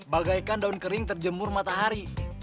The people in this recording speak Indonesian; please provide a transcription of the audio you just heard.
bagaikan daun kering terjemur matahari